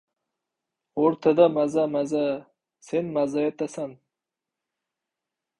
O‘rtada maza-maza... Sen maza etasan!